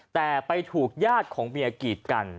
แต่ไปถูกญาติของเมียกีดกัน